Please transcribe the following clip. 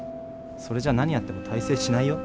それじゃ何やっても大成しないよ。